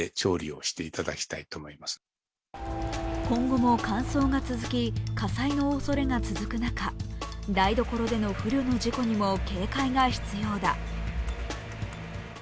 今後も乾燥が続き火災のおそれが続く中、台所での不慮の事故にも警戒が必要だ。